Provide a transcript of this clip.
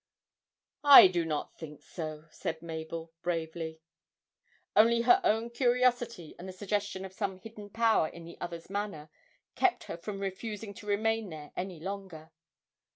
'I do not think so,' said Mabel, bravely: only her own curiosity and the suggestion of some hidden power in the other's manner kept her from refusing to remain there any longer.